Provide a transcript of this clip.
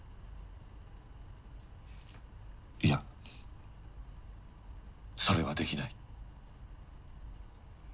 いやそれはできない。